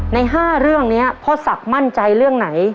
ใน๕เรื่องนี้พ่อศักดิ์มั่นใจเรื่องไหน